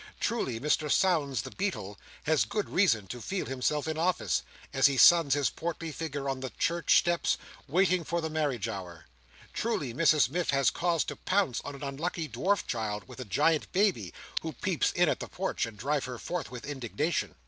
Truly, Mr Sownds the Beadle has good reason to feel himself in office, as he suns his portly figure on the church steps, waiting for the marriage hour. Truly, Mrs Miff has cause to pounce on an unlucky dwarf child, with a giant baby, who peeps in at the porch, and drive her forth with indignation!